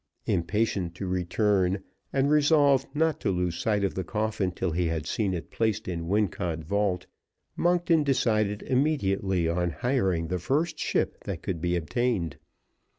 Impatient to return, and resolved not to lose sight of the coffin till he had seen it placed in Wincot vault, Monkton decided immediately on hiring the first ship that could be obtained.